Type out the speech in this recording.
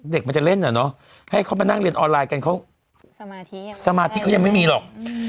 เด็กมันจะเล่นอ่ะเนอะให้เขามานั่งเรียนออนไลน์กันเขาสมาธิเขายังไม่มีหรอก